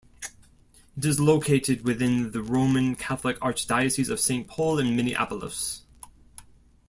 It is located within the Roman Catholic Archdiocese of Saint Paul and Minneapolis.